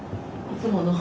いつもの。